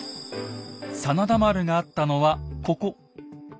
真田丸があったのはここ。